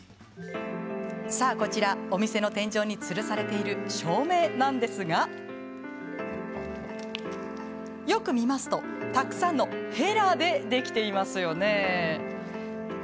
さあ、こちらお店の天井につるされている照明なんですがよく見ると、たくさんのへらでできていますね。